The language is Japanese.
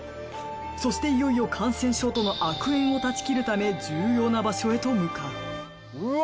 そしていよいよ感染症との悪縁を断ち切るため重要な場所へと向かううわ